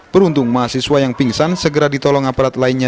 beruntung mahasiswa yang pingsan segera ditolong aparat lainnya